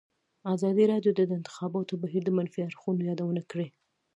ازادي راډیو د د انتخاباتو بهیر د منفي اړخونو یادونه کړې.